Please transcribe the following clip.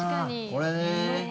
これね。